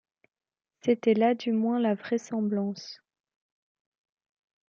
C’était là du moins la vraisemblance.